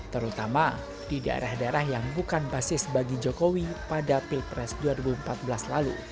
terutama di daerah daerah yang bukan basis bagi jokowi pada pilpres dua ribu empat belas lalu